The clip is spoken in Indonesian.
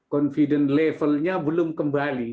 level kepercayaan belum kembali